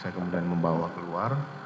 saya kemudian membawa keluar